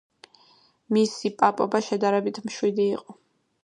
მისი პაპობა შედარებით მშვიდი იყო.